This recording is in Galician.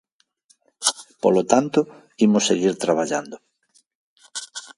Polo tanto, imos seguir traballando.